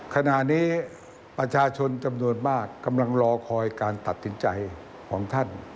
ขณะนี้ประชาชนจำนวนมากกำลังรอคอยการตัดสินใจของท่าน